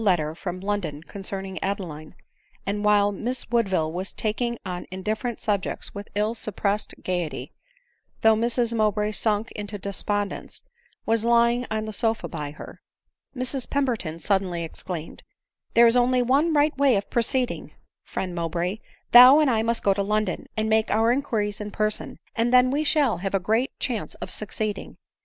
letter from London concerning Adeline ; and while Miss Woodville was talking on indif ferrent subjects with ill suppressed gaiety, though Mrs Mowbray, sunk into despondence, was lying on the sofa by her ; Mrs Peroberton suddenly exclaimed —" There is only one right way of proceeding, friend Mowbray — thou and I must go to London, and make our inquiries in person, and then we shall have a great chance of suc ceeding."